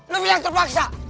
lu bilang terpaksa